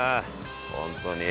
本当に。